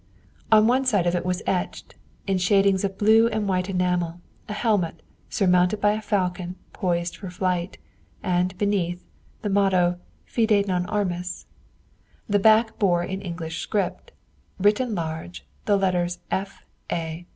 On one side of it was etched, in shadings of blue and white enamel, a helmet, surmounted by a falcon, poised for flight, and, beneath, the motto Fide non armis. The back bore in English script, written large, the letters _F.A.